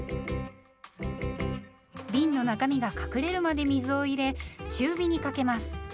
びんの中身が隠れるまで水を入れ中火にかけます。